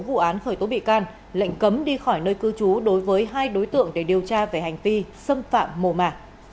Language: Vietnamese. vụ án khởi tố bị can lệnh cấm đi khỏi nơi cư trú đối với hai đối tượng để điều tra về hành vi xâm phạm mồ mả